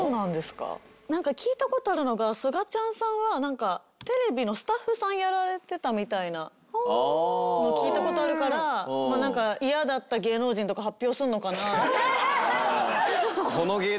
なんか聞いた事あるのがすがちゃんさんはテレビのスタッフさんやられてたみたいなのを聞いた事あるからなんか嫌だった芸能人とか発表するのかな。